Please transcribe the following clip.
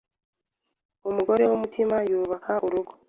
Umugore w’umutima yubaka urugo